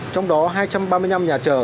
trong đó hai trăm ba mươi năm nhà trở